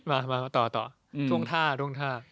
่ั๊พงษ์